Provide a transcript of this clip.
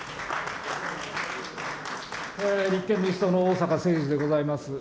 立憲民主党の逢坂誠二でございます。